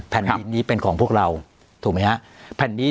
แผ่นดินนี้เป็นของพวกเราถูกมั้ยฮะ